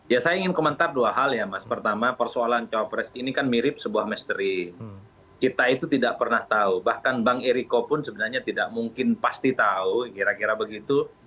ya saya ingin komentar dua hal ya mas pertama persoalan cawapres ini kan mirip sebuah misteri kita itu tidak pernah tahu bahkan bang eriko pun sebenarnya tidak mungkin pasti tahu kira kira begitu